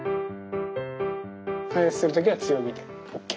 加熱する時は強火でＯＫ。